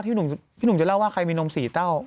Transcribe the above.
พี่นุงที่จะเล่าว่าใครมีนมสี่เท่า